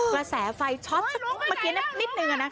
กระแสไฟช็อตสักเมื่อกี้นิดนึง